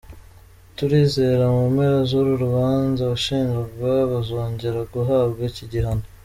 Turizera mu mpera z’uru rubanza abashinjwa bazongera guhabwa iki gihano.”